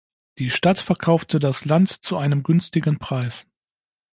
Die Stadt verkaufte das Land zu einem günstigen Preis.